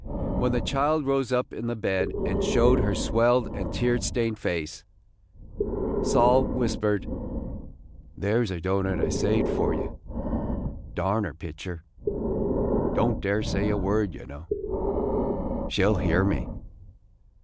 When the child rose up in the bed and showed her swelled and tear stained face, Sol whispered: 'There 's a doughnut I saved for ye. Darn her pictur'! Don't dare say a word, ye know. She 'll hear me."